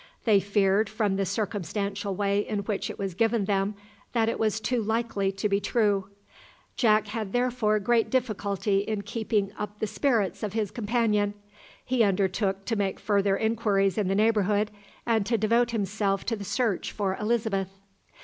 They feared from the circumstantial way in which it was given them that it was too likely to be true. Jack had therefore great difficulty in keeping up the spirits of his companion. He undertook to make further inquiries in the neighbourhood, and to devote himself to the search for Elizabeth.